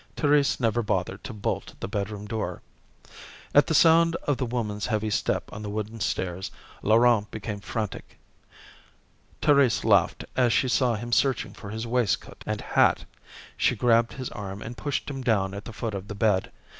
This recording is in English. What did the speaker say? Thérèse never bothered to bolt the bedroom door. At the sound of the woman's heavy step on the wooden stairs, Laurent became frantic. Thérèse laughed as she saw him searching for his waistcoat and hat. She grabbed his arm and pushed him down at the foot of the bed.